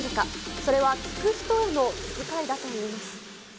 それは聴く人への気遣いだといいます。